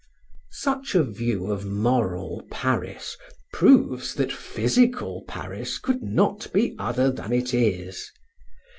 Such a view of moral Paris proves that physical Paris could not be other than it is.